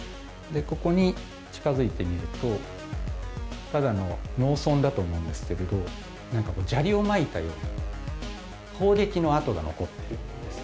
ここに近づいてみるとただの農村だと思うんですけれど何かこう砂利をまいたような砲撃の跡が残ってるんです。